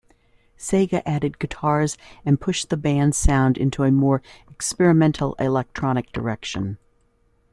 Sega added guitars and pushed the band's sound into a more experimental electronic direction.